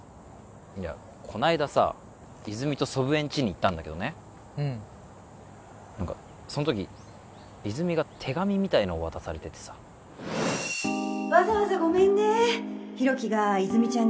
いやこの間さ泉と祖父江んちに行ったんだけどね何かそのとき泉が手紙みたいのを渡されててさわざわざごめんね広樹が泉ちゃんに